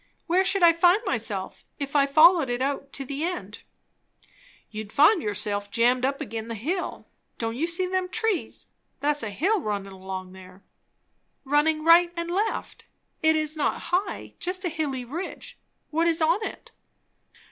"Where should I find myself, if I followed it out to the end?" "You'd find yourself jammed up agin the hill. Don't you see them trees? that's a hill runnin' along there." "Running right and left? It is not high. Just a hilly ridge. What is on it?"